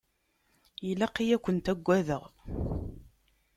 Ilaq-iyi ad kent-agadeɣ?